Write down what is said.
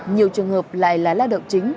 nhiều trường hợp lại là lao động chính